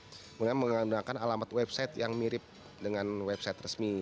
kemudian menggunakan alamat website yang mirip dengan website resmi